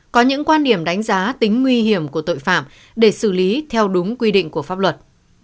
có những quan điểm đánh giá tính nguy hiểm của tội phạm để xử lý theo đúng quy định của pháp luật